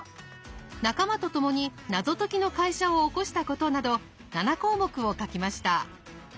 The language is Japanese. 仲間と共に謎解きの会社を興したことなど７項目を書きました。